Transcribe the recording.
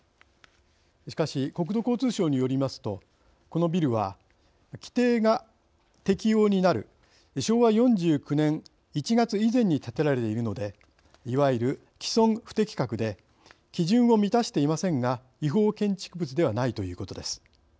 しかし、国土交通省によりますとこのビルは規定が適用になる昭和４９年１月以前に建てられているのでいわゆる既存不適格で基準を満たしていませんが違法建築物ではないということです。